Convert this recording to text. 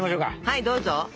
はいどうぞ。